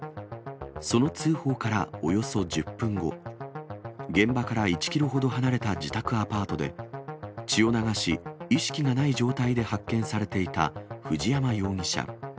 その通報からおよそ１０分後、現場から１キロほど離れた自宅アパートで、血を流し、意識がない状態で発見されていた藤山容疑者。